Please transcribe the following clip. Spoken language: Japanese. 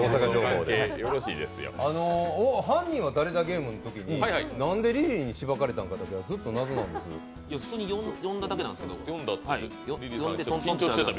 犯人は誰だゲームのときに、なんでリリーにしばかれたのか分からなかったんですけど普通に呼んだだけなんですけどトントンと。